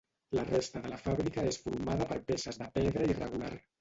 La resta de la fàbrica és formada per peces de pedra irregular.